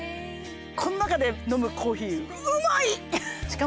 この中で飲むコーヒーうまい！